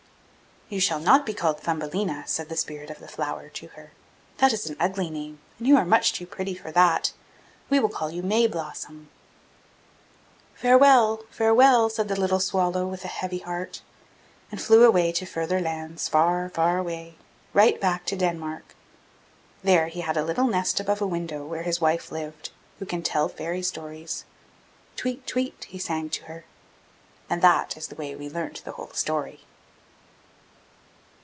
'You shall not be called Thumbelina!' said the spirit of the flower to her; 'that is an ugly name, and you are much too pretty for that. We will call you May Blossom.' 'Farewell, farewell!' said the little swallow with a heavy heart, and flew away to farther lands, far, far away, right back to Denmark. There he had a little nest above a window, where his wife lived, who can tell fairy stories. 'Tweet, tweet!' he sang to her. And that is the way we learnt the whole story.